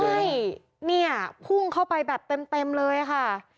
ใช่เนี่ยพุ่งเข้าไปแบบเต็มเลยค่ะ